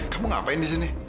kamu ngapain disini